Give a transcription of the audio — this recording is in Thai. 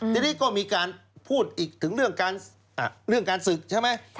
ทีนี้ก็มีการพูดอีกถึงเรื่องการศึกใช่ไหม